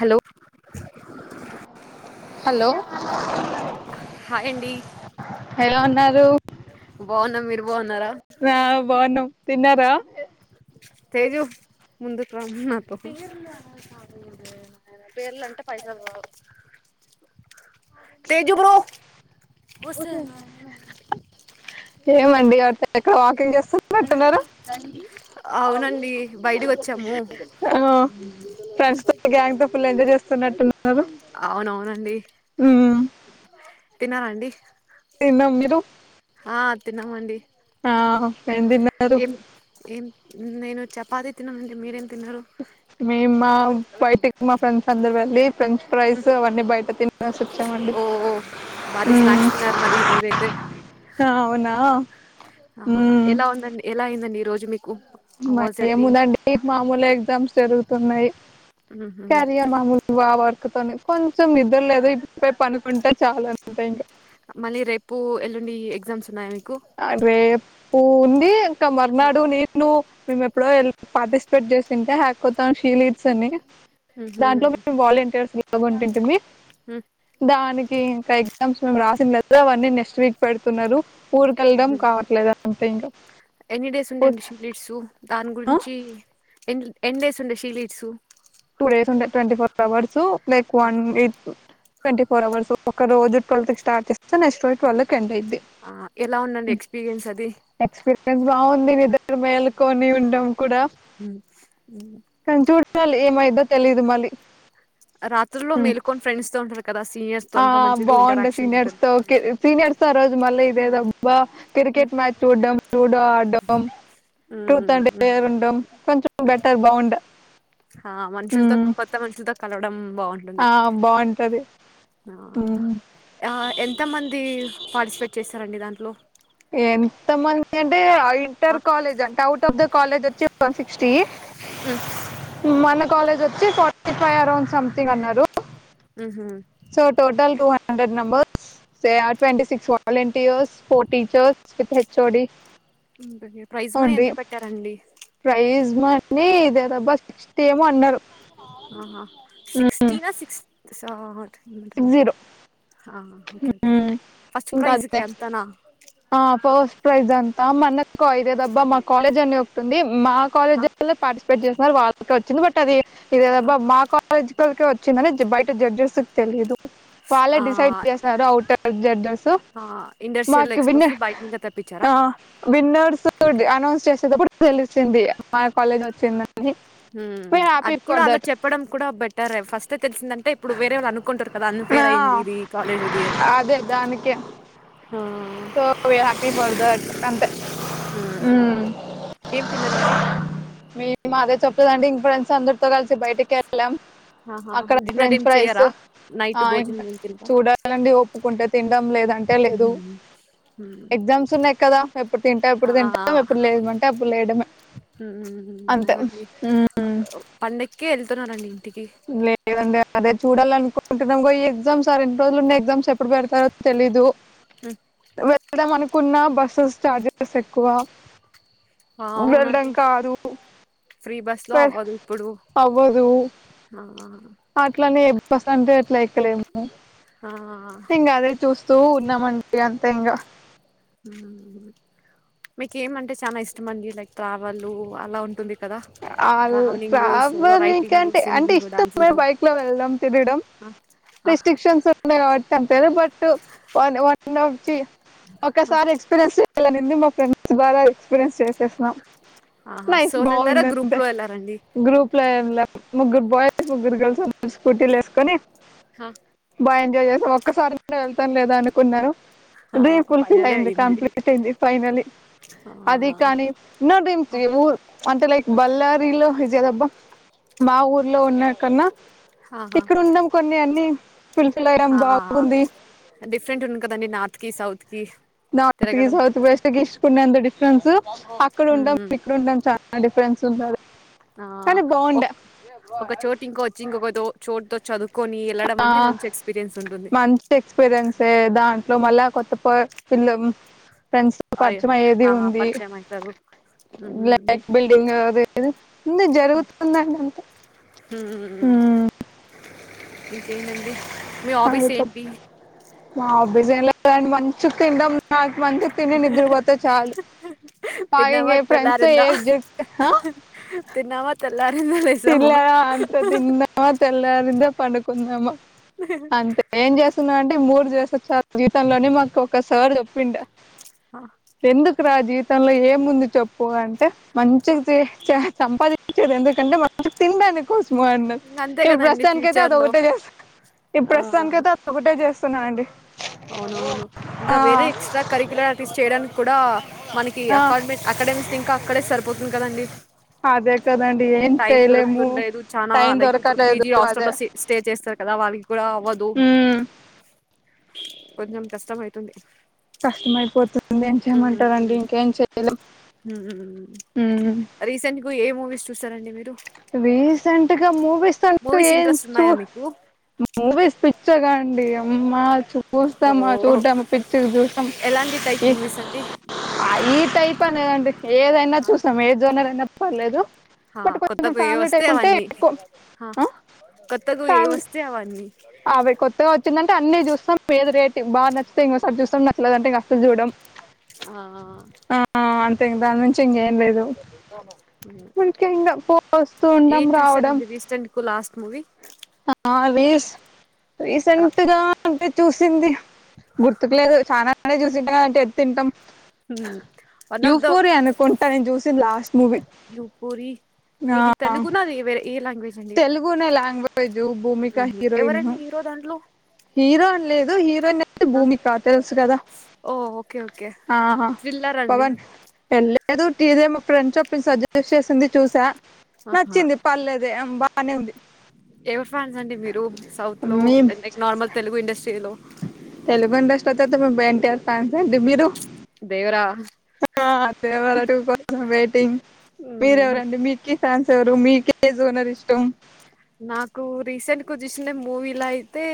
Hello. Hello [inaudible] hi అండి ఎలా ఉన్నారు బాగున్నా మీరు బాగున్నారా ఆ బాగున్నాం తిన్నారా తేజు ముందుకు రా నాతో ఆ పేర్లు అంటే పైసలు రావు టు టు ఏమండి ఎవరితో ఎక్కడ వాకింగ్ చేస్తూ అట్టున్నారు. అవునండి బయటకి వచ్చాము హా ఫ్రెండ్స్ తో గ్యాంగ్ తో ఫుల్ ఎంజాయ్ చేస్తున్న. ఎక్కడ ఉన్నారు. అవును అవునండి. ఉ చుహ తిన్నారా అండి. తిన్నాం మీరు. ఆ తిన్నామండి. ఆహా. ఏం తిన్నారు. ఏం ఏం నేను చపాతి తిన్న అండి మీరెం. మేమా బైట మా ఫ్రెండ్స్ అందరు వెళ్ళి. ఫ్రెంచ్ ఫ్రైస్ అవన్నీ బయట తినేసి వచ్చామండి ఓ భారీ స్నాక్స్ హ్మ్ తిన్నారు మరి ఈ రోజైతే ఆ అవున. ఆ ఎలా ఉంది అండి ఎలా అయింది అండి. రోజు మీకు. వాజ్ మారి యువర్ ఏం డే ఉంది అండి మామూలు ఎగ్జామ్స్ జరుగు తున్నాయి. కారియర్ మామూలు ఓవర్ ఇక పని కొంచం నిద్ర లేదు ఇప్పుడే పనుకుంటే చాలు అంతే ఇంకా. మళ్ళీ రేపు ఎల్లుండి ఎగ్జామ్స్ ఉన్నాయి. ఆరేప్ ఉంది. ఇక మర్నాడు నేను మేము ఎప్పుడో పార్టిసిపేట్ చేసింటే హ్యాకోతాం షీల్డ్స్ అని ఉహు దాంట్లో మేము వాలంటీర్స్ గా లాగా ఉంటుంటిమి ఉ దానికి ఇంకా ఎగ్జామ్స్ మేం రాసిన్ లేదు అవన్నీ నెక్స్ట్ వీక్ పెడుతున్నారు ఉరికేల్డం కావట్లేదు అంతే ఇంక ఎన్ని డేస్ ఉండేండి షీలీడ్స్ దాని గురించి ఎ ఎండేసుండే షీల్డ్స్ టూ డేస్ ఉంటే twenty four hours like one ఎత్ ట్వంటీ ఫోర్ హార్స్ ఒక రోజు ట్వల్తి స్టార్ చేస్త నక్స్ట్ రోజు ట్వల్ కి ఎండ్ ఐంది ఆ ఎలా ఉందండి ఎక్స్పీరియన్స్ అది ఎక్స్పీరియన్స్ బాగుంది మీ ఇద్దరి మేలుకొని ఉండం కూడా ఉమ్ ఉమ్ నేను ఎంత తెలిదు మళ్ళీ రాత్రుల్లో మేల్కొని ఫ్రెండ్స్ తో కదా సీనియర్స్ తో ఆ అంతా మంచిగా బాగుండే ఇంటరాక్షన్ సీనియర్స్ ఉంటుంది తో కి సీనియర్స్ తో ఆ రోజు మళ్ళీ లేదా బా ఉమ్ క్రికెట్ మ్యాచ్ చూడం లూడో ఆడం truth um and um dare ఉండం కొంచం బెటర్ బాగుండ ఆ మనుషుల తో ఉమ్ కోత్త మనుషుల తో కలవడం బాగుంటుంది ఆ బావుంటది ఆ ఎంత మంది పార్టిసిపేట్ చే స్యారండి దాంట్లో ఎంత మంది అంటే ఐదు ఆ ఇంటర్ కాలేజ్ అంట ఔట్ ఆఫ్ ద కాలేజ్ వచ్చి వన్ సిక్స్టీ మన కాలేజ్ వచి సి ఫోర్టిఫైవ్ అరౌండ్ సంథింగ్ అన్నారు మ్ హ్మ్ so total two hundred member సే ఆర్ ట్వంటీ సిక్స్ వాలైన్ స్ ఫోర్ టీచర్స్ వి చోడి ఇకే ప్రైజ్ మనీ ఎంత పెట్టారండి న ఇదేదబ్బా సిక్స్టీ ఏమో అన్నారు ఆహా సిక్స్టీన్ హ నా సిక్స్ హ సిక్స్ జీరో హ ఓకే ఓకే ఫస్ట్ ప్రైస్ కి అంతనా ఆ ఫస్ట్ ప్రైజ్ అంతా మన్నకు ఐదే దబ్బా మా కాలేజ్ అన్ని ఒకటుంది మా కాలేజ్ ఆ లో పార్టిసిపేట్ చేస్తా మరి వాళ్ళకి వచ్చింది బట్ అది ఇదేదబా మా కాాలేజ్ పకే వచ్చ చిన్ననే బయట జడ్జెస్ కి తెలిదు వాళ్ళ ఆ డిసైడ్ చేసారు అఔటర్ జడ్జెస్ ఆ మాక్ ఇండస్ట్రియల్ విన్నే ఎక్స్పోస్ని బయట నుంచే తెప్పించారా ఆ విన్నర్స్ ఓకే ఓకే అనౌన్స్ చేసేటప్పుడు పిలిసింది ది మా కాలేజ్ ఒచ్చింద హుమ్ అది కూడా అలా చెప్పడం కూడా బెటర్ ఫస్ట్ ఏ తెలిసిందంటే ఇప్పుడు వేరే వాళ్ళు అనుకుంటారు కదా ఆ అన్ఫేర్ అయింది ఇది కాలేజ్ ఇది అని అదే దానికే అప్పుడ్ ఆ so we happy for that అంతే హుమ్ ఏం తిన్నారండి మీ అదే చెప్ లేదంటే ఇం ఫ్రెండ్స్ అందరితో కలిసి బయటికి వెళ్ళాం ఆహా అక్కడ డిన్నర్ ఫ్రెంచ్ ఏం ఫ్రైస్ చెయ్యరా నైట్ ఆ ఇ భోజనం ఏం తినరా చూడాలండి ఒప్పుకుంటే తిినడం లేదంటే లేదు ఎగ్జామ్స్ ఉన్నయ్ కదా ఎప్పుడు తింటా ఎప్పుడు తింటాం ఆ ఎప్పుడు లేవమంటే అప్పుడు లేడమే ఉమ్ అంతే హుమ్ నెక్కివెళ్తున్నారండి లేదండి అదే చూడాలి అనుకుంటున్నాం ఈ ఎగ్జామ్స్ ఏన్ని రోజులు ఉన్న ఎగ్జామ్స్ ఎప్పుడుడతారో తెలీదు హ్మ్. వెళ్దాం అనుకున్న బస్ సుస్ చార్జెస్ ఎక్కువ అవునండి ఫ్రీ బస్ లో వెల్ అవ్వదు ఇప్పుడు అవ్వదు ఆ అట్లనే బస్ అంటే ఎట్ల ఏక్ కలేము ఆ హింగ అదే చూస్తూ ఉన్నామండి అం తెంగ ఉమ్ మీకు ఏమంటే సాన ఇష్టం అండి లైక్ ట్రావెలు అలా ఉంటుంది కదా ట్రావెలింగ్ సోలో రైటింగ్ ట్రావెల్కంటే అంటే సింగింగ్ ఇష్టం డాన్సింగ్ అలా బైక్ లో వెళ్ళడం తిరడం ఆ! ఆ! రెస్ట్రిక్షన్స్ ఉన్నాయి కాబట్టి అ పెరుపట్ వన్ వనోఫ్చి ఒసారి ఎక్స్ప్రెస్ చెయాలీ అనిఉంది ఫ్రెండ్స్ ద్వారా ఎక్స్పీరియన్స్ చేసేసాం ఆహా సోల్ందార్ గ్రూప్ లో వెళ్ళారండి గ్రూప్లో [unintelligible] ముగ్గురు బాయ్స్ ముగ్గురు గర్ల్స్రు స్కూటీలు వేసుకొని హా బాగా ఎంజాయ్ చేస్తా ఒక్కసారి నేను వెళ్తాను లేదా అనుకున్నారు డ్రీమ్ ఫుల్ఫిల్ అయింది కంప్లీట్ అయింది ఫైనలీ ఆ! అది కానీ నో డ్రీమ్స్ ఊ అంటే లైక్ బారిలో ఇజదబ్బ మా ఊర్లో ఉన్నా కన్నా ఆహా ఇక్కడ ఉన్నాం కొన్ని అన్నీ ఫుల్ఫిల్ అయ్యాం ఆ బాగుంది. డిఫరెంట్ ఉంది కదండి నార్త్ కి సౌత్ కి నార్త్ కి తిరగడం సౌత్కి ఇసుక ఉన్నంత రెన్స్ అక్కడ ఉండాం ఉమ్ ఇక్కడుడాం చాలా డఫ్ ఫ్రెండ్స్ ఉన్నారు. ఆ ఒక ఒక చోటు ఇంకో వచ్చి ఇంకొక దో చోటుతో చదువు ఆ మంచి ఎక్స్పీరియన్సే దాం ట్లో మళ్ళా కొత్త పిల్ల ఫ్రెండ్స్ అయ పరిచయం అయ్యేది ఆ ఉంది పరిచయం అయితారు బ్లాక్ బిల్డింగ్ అదేది ఉంది జరుగుతుందండి అంతా ఇంకెందండి మీ హాబీస్ చెప్ ఏంటి? మా హాబీస్ ఏం లేదండి మంచి తింటాం నా మంచిగా తిని నిద్రపోతే చాలు తిన్నామా బాగా ఫ్రెండ్స్ ఏ తెల్లారిందా తిన్నామా తెల్లారిందా లేసామా తిల్లార అంత తిన్నవ తెల్లరింద పండుకుందామ అంతే ఏం చేస్తున్నా అంటే మూడు చ జీవితంలోనే మాకు ఒక సార్ చెప్పిండ ఎందు రా జీవితంలో ఏముంది చెప్పు అంటే. మంచిగా చీ చా సంపా చేద్ ఎందుకంటే. తిన్డానీ కోసం. ఇంగ అంతే ఇప్పుడు కదండి ప్రస్తుతానికైతే అది ఫ్యూచర్ లో ఒకటే చేస్తూ ఇప్పుడు ఆ ప్రస్తుతానికైతే అది ఒకటే చేస్తున్నా అండి. అవునవును. ఇంకా వేరే ఎక్స్ట్రా కరికులటీస్ చేయడానికి కూడా మనకి ఆ అకాడ అకాడమిక్స్ ఇంకా. అక్కడే సరిపోతుంది కదండి అదే కదండి ఏం టైం చేయలేము దొరుకుతుండలేదు చానా టైమ్ లైక్ ఇప్పుడు దొరకలేదు పీజీ అదే హాస్టల్లో స్టే చేస్తారు కదా వాలి కూడా అవ్వదు ఉమ్, కొంచం కష్టం అయితుంది కష్టంమైపోతుంది. ఏం చెయమంటారండి ఇంకేం చేయలేం హ్మ్ రీసెంట్గా ఏ మూవీస్ చూస్తారండి మీరు రీసెంట్ గా మూవీస్ అంటూ మూవీస్ ఏం ఇంట్రెస్ట్ చూ ఉన్నాయా మీకు మూవీస్ పిచ్చగాడి అమ్మ చు ఓ చూస్తామా చూద్దాము పిచ్చ చూస్తాం ఎలాంటి టైప్ ఈ మూవీస్ అండి ఈ టై పనిడి ఏదైనా చూస్తాం ఏ జోనర్ నైనా పర్లేదు హ బట్ కొంచెం కొత్తకు ఏ ఫ్యామిలీ వస్తే టైప్ ఉంటే అవన్నీ ఎక్కువ ఆ కొత్తకు ఏ వస్తే అవన్నీ అవే కొత్తగా వచ్చిదంటే అన్ని చూస్తాం ఏ రేట్ బా నచ్చితే ఇంకోకసారి చూస్తా నచ్చలేదు అంటే ఇక అసలు చూడం ఆ ఆ అంతే ఇంకా దాని మించి ఇంగే లేదు హలో మనక ఇంగా పో వస్తూండాం రావడం క్లాస్ ఆవిస్ రా రీసెంట్ గా అవి చూసింది తిను రా అంటే ఎతింటం హ్మ్ యుఫోరియా అనుకుంటా నేను చూసి లాస్ట్ మూవీ యుపోరి ఆ ఇది తెలుగునా అది వేరే ఏ లాంగ్వేజ్ అండి మూవీ జూ భూమిక ఊహూ హిరోయిన్ ఎవరండి హీరో దాంట్లో హీరో అన్ని లేదు హిరోయిన్ అయితే ఆ! భూమిక తెలుసు కదా ఓ ఓకే ఓకే ఆ థ్రిల్లర్ అండి పవన్ ఏళ్లి ఏదో టీదే మా ఫ్రెండ్ చొప్పను సజెస్ట్ చేసింది చూసా. ఆహా నచ్చింది పల్లెదే అబ్బా. బానే ఉంది. ఎవరు ఫ్యాన్స్ అండి మీరు సౌత్ లో మేం లైక్ నార్మల్ తెలుగు ఇండస్ట్రీలో. బత్తాతమే బైకరమైన ఫ్యాన్స్ అండి మీరు. దేవరా అదే దేవరా టూ పర్సం వెయిటింగ్ మీరు హుహు. ఎవరండి మీకి ఫ్యాన్స్ మీకజోనర్ ఇష్టం. నాకు రీసెంట్ వచ్చసిన మూవీలా అయితే.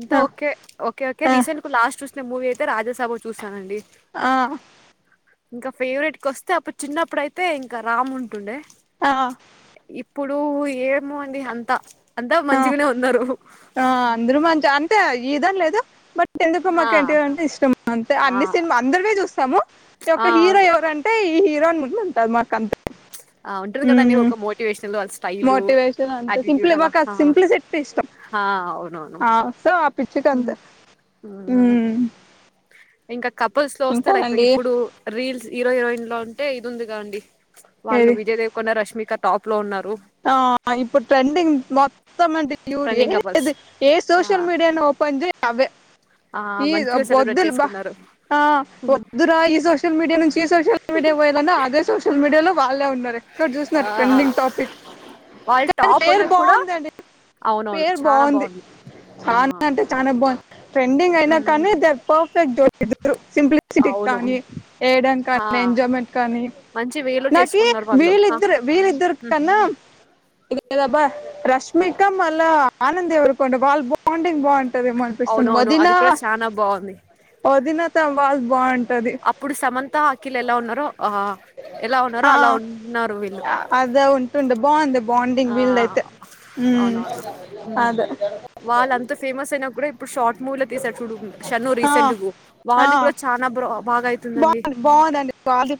అంత ఆ ఓకే ఓకే ఓకే ఆ రీసెంట్ కు లాస్ట్. మూవీ అయితే రాజాసాభ చూశానండి ఆహా. ఇంకా ఫేవరెట్ కి వస్తే అప్పుడు చిన్నప్పుడుయితే ఇంకా రామ్ ఉంటుండే. ఆహా ఇప్పుడు ఏమో అండి అంత ఆ ఆ అందరు మంచి అంతే ఈ దాని లేదు బట్ ఎందుకు ఆ మాకు ఎన్ టి ఆర్ ఇష్టం అంతే ఆ అన్ని సినిమాలు అందరివి చూస్తాము యొక్క ఆ హీరో ఎవరంటే ఈ హీరో అంతే మాకు అంత ఆ ఉంటుంది కదాండి ఒక మోటివేషన్ వాళ్ళ స్టైల్ మోటివేషన్ అంతే ఆటిట్యూడ్ సింప్లి అలా మాకు ఆ ఆ సింప్లిసిటీ ఇష్టం ఆ, అవునవును సో ఆ పిచికి అంతే ఉమ్. ఇంకా కపుల్స్ లో వస్తే లైక్ ఇంకానండి ఇప్పుడు రీల్స్ హీరో హీరోయిన్ లో ఉంటే ఇది ఉందిగా అండి వాళ్ళు ఏది విజయ దేవరకొండ రష్మి ఇంకా టాప్ లో ఉన్నారు ఆ ఇప్పుడు ట్రెండింగ్ మొత్తం మంత్రి ట్రెండింగ్ కపుల్స్ ఏ ఏ సోషల్ ఆ మీడియాను ఓపన్ చేయ్ అవే ఆ ఈ మంచిగా సెలబ్రేట్ వద్దులు బా చేసుకున్నారు వద్దురా ఈ సోషల్ మీడియా నుంచి ఈ సోషల్ మీడియా పోయాలన్నా, అదే సోషల్ మీడియాలో వాళ్ళే ఉన్నారు ఎక్కడ చూసిన ఆ ట్రెండింగ్ టాపిక్. ది వాళ్ళు టాప్ పేరు అయినా కూడా బాగుందండి అవునవును పేరు చానా బాగుంది చానా ఆ అంటే చానా బాగుంది. ట్రెండింగ్ అయినా మ్మ్ కానీ ద ఫర్ పెట్ జోడి ఇద్దరు సింప్లిసిటీ అవును కానీ వేయడం ఆ కానీ ఎంజాయ్మెంట్ కానీ, మంచి వేలో నాకి చేసుకున్నారు వాళ్ళు ఆ వీళ్ళిద్దరు వీళ్ళిద్దరు మ్మ్ కన్నా. లేదాబా రష్మి మీకు మళ్ళా ఆనందు దేవరకొండ ఉండే వాళ్ళ బాండింగ్ బాండ్. మనపిస్తుంది అవునవును వదీనా అది కూడా చానా బాగుంది వదీనా త వా బన్ అప్పుడు సమంత కిల్ ఎలా ఉన్నారుో ఆ వీళ్ళు అద ఉంటుండ బాగుంది బాగు ఆ అవునవును అదే వాళ్ళ అంత ఫేమస్ అయినా కూడా ఇప్పుడు షార్ట్ మూవీలో తీసారు చూడు షన్నూ ఆ రీసెంట్ ఆ వాళ్ళు కూడా చాలా బ బాగా అవుతుందండి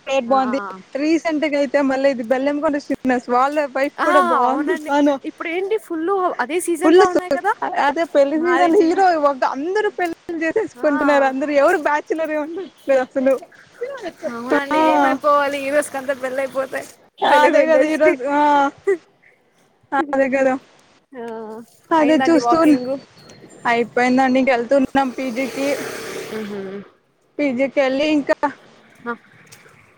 పేర్ బాగుంది రీసెంట్ గా అయితే మళ్ళీ ఇది బెల్లం కొండ శ్రీనివాసులు వాళ్ళ వైఫ్ ఆ కూడా బాగుంది అవునండి తాను ఇప్పుడు ఏంటి ఫుల్ అదే సీజన్ ఫుల్ లో ఉన్నాయి కదా అదే పెళ్లి సీజన్ మ్యారేజ్వి హీరో ఒక అందరు పెళ్ ఆ చేసేసుకుంటున్నారు అందరు ఎవరు బ్యాచులర్ ఉన్నారు అస్సలు డి ఏమైపోవాలి హీరోస్కి అంత పెళ్లి అయిపోతే తెలుగు అదే కద ఇండస్ట్రీ ఈరోజు ఆ అ అదే కదా ఆ అదే అయిందండి చూస్తూన్ వాకింగ్ అయిపోయిందండిక వెళ్తూన్నాం పీజికి ఉహు పీజికి వెళ్ళి ఇంకా. హ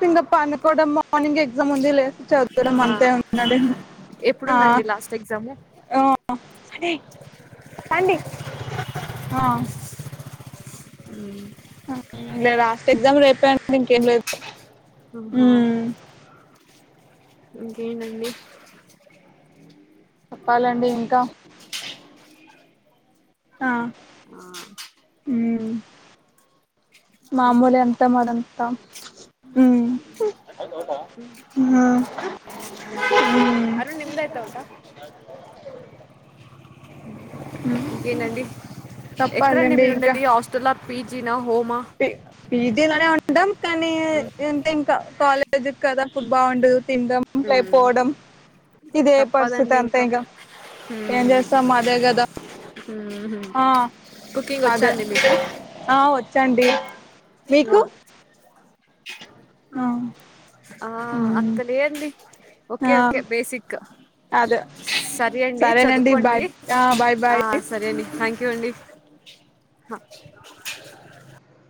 ఇంకా పనుకోవడం మార్నింగ్ ఎగ్జామ్ ఉంది లేదు చదవడం ఆ ఆ అంతే ఉంది ఎప్పుడుందండి లాస్ట్ ఎగ్జాము అండి ఆ ఆ మ్మ్ ఆ ఇంగ లాస్ట్ ఎగ్జామ్ రేపే అండి ఇంకేం లేదు మ్మ్ హా ఉమ్ ఇంకేంటి అండి చెప్పాలండి ఇంకా ఆ ఆ మ్మ్ ఉమ్ ఉమ్ ఉమ్ [unintelligible] అరుణ్ నిమ్ దైతే అవుట. ఇంకేందండి ఎక్కడండి మీరు ఉండేది హాస్టలా పీ జీనా పీ పీజీ లోనే ఉం డం కానీ ఇంక ఇంకా కాలే నిజం కదా పుడ్ బాగుండదు తిండం హ్మ్. లేపోవడం ఇదే పరిస్థితి తప్పదండి అంతే ఇంకా ఇంగా ఏం హ్మ్ చేస్తాం అదే గదా. ఊహూ ఆ కుకింగ్ వచ్చా అదే అండి ఆ ఓ చండి మీకు ఆ ఆ ఉమ్ అంత లేయండి ఓకే ఆ ఓకే బేసిక్ అదే సరె అండి సరేనండి చదువుకోండి బాయ్ ఆ బాయ్ ఆ బాయ్ సరే అండి థ్యాంక్ యూ అండి హ